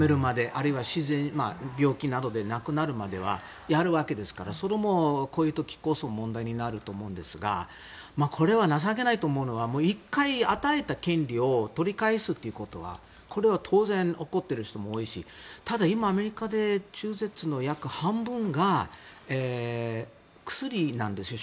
あるいは病気などで亡くなるまでやるわけですからそれもこういう時こそ問題になると思うんですがこれは情けないと思うのは１回与えた権利を取り返すということはこれは当然怒っている人も多いしただ今、アメリカで中絶の約半分が薬なんですよ。